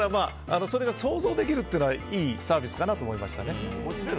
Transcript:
それが想像できるのはいいサービスかなと思いました。